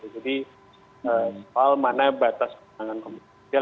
jadi soal mana batas kewenangan komisi judisial